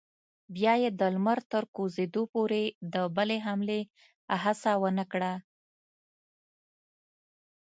بیا یې د لمر تر کوزېدو پورې د بلې حملې هڅه ونه کړه.